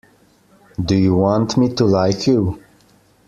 Do you want me to like you?